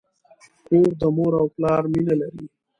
کور د مور او پلار مینه لري.